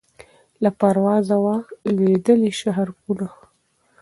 له پروازه وه لوېدلي شهپرونه